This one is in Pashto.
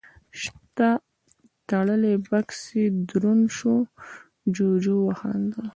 شاته تړلی بکس يې دروند شو، جُوجُو وخندل: